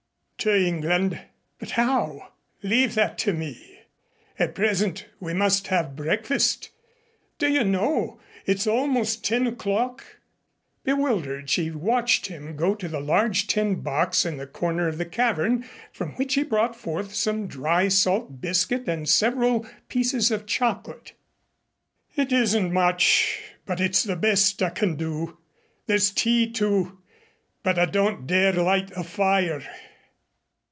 "To England." "But how?" "Leave that to me. At present we must have breakfast. Do you know it's almost ten o'clock?" Bewildered, she watched him go to the large tin box in the corner of the cavern, from which he brought forth some dry salt biscuit and several pieces of chocolate. "It isn't much, but it's the best I can do. There's tea, too, but I don't dare light the fire."